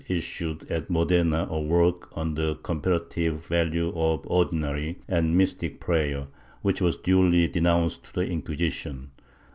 issued at Modena a work on the comparative value of ordinary and mystic prayer, which was duly denounced to the Inquisition.